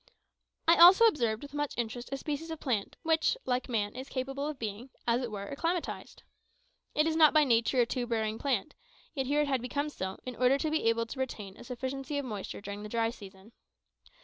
I also observed, with much interest, a species of plant which, like man, is capable of being, as it were, acclimatised. It is not by nature a tuber bearing plant; yet here it had become so, in order to be able to retain a sufficiency of moisture during the dry season.